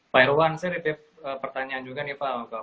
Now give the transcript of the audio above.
pak irwan saya titip pertanyaan juga nih pak